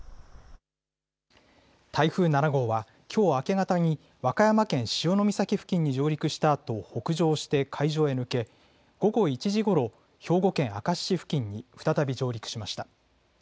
台風７号は、きょう明け方に和歌山県潮岬付近に上陸したあと北上して海上へ抜け、午後１時ごろ、兵庫県明石市付近に再び上陸しました。